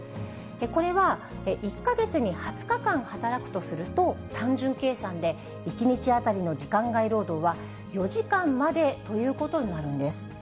これは１か月に２０日間働くとすると、単純計算で１日当たりの時間外労働は４時間までということになるんです。